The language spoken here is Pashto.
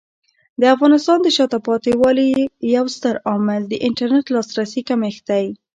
د افغانستان د شاته پاتې والي یو ستر عامل د انټرنیټ لاسرسي کمښت دی.